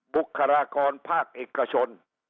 บุคลากรภาคเอกชน